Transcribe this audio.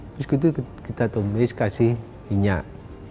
habis itu kita tumis kasih minyak